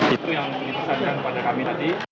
itu yang dipesankan pada kami tadi